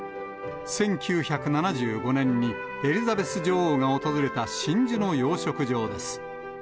１９７５年にエリザベス女王が訪れた真珠の養殖場です。